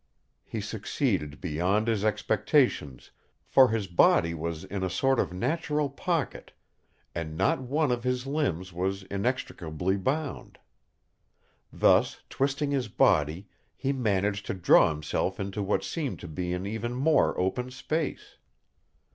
He succeeded beyond his expectations, for his body was in a sort of natural pocket and not one of his limbs was inextricably bound. Thus, twisting his body, he managed to draw himself into what seemed to be an even more open space.